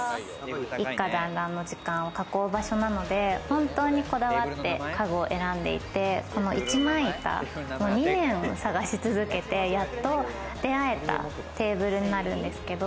一家団らんの時間を囲う場所なので本当にこだわって家具を選んでいて、一枚板、２年探し続けて、やっと出会えたテーブルになるんですけど。